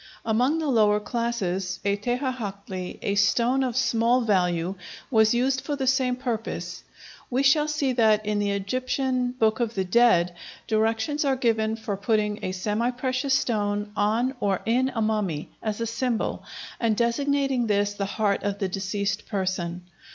Among the lower classes a texaxoctli, a stone of small value, was used for the same purpose. We shall see that, in the Egyptian "Book of the Dead," directions are given for putting a semi precious stone on or in a mummy, as a symbol, and designating this the heart of the deceased person.